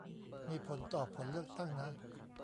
มีผลต่อผลเลือกตั้งนะ